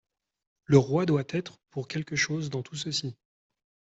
Le roi doit être pour quelque chose dans tout ceci.